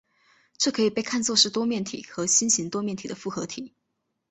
这可以被看作是多面体和星形多面体的复合体。